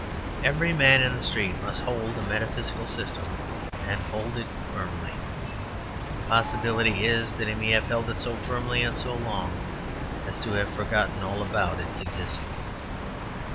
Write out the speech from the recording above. Every man in the street must hold a metaphysical system, and hold it firmly. The possibility is that he may have held it so firmly and so long as to have forgotten all about its existence.